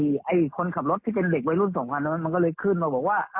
ไอ้คนขับรถที่เป็นเด็กวัยรุ่นสองคันมันก็เลยขึ้นมาบอกว่า